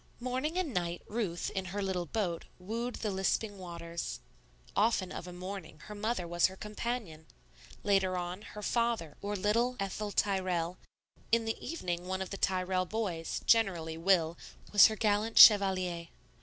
Morning and night Ruth, in her little boat, wooed the lisping waters. Often of a morning her mother was her companion; later on, her father or little Ethel Tyrrell; in the evening one of the Tyrrell boys, generally Will, was her gallant chevalier.